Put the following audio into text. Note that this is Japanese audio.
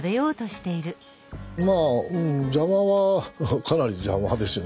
まあ邪魔はかなり邪魔ですよね